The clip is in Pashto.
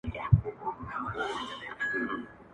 په دربار كي جنرالانو بيعت وركړ!.